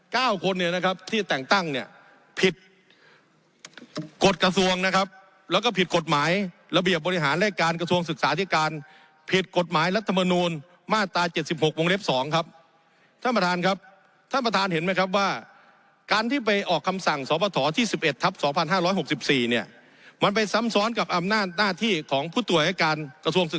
ก้าวคนเนี่ยนะครับที่แต่งตั้งเนี่ยผิดกฎกระทรวงนะครับแล้วก็ผิดกฎหมายระเบียบบริหารในการกระทรวงศึกษาอธิการผิดกฎหมายรัฐมนูลมาตรา๗๖วงเล็ก๒ครับท่านประธานครับท่านประธานเห็นไหมครับว่าการที่ไปออกคำสั่งสอบประถอที่๑๑ทัพ๒๕๖๔เนี่ยมันไปซ้ำซ้อนกับอำนาจหน้าที่ของผู้ต่วยการกระทรวงศ